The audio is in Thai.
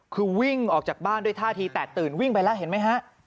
คือวิ่งออกจากบ้านด้วยท่าทีแตกตื่นวิ่งไปแล้วเห็นไหมฮะ